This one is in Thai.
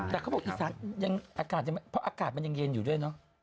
แต่เขาที่นั่งอากาศเป็นเย็นอยู่ด้วยเหรอ